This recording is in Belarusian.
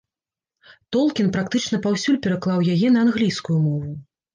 Толкін практычна паўсюль пераклаў яе на англійскую мову.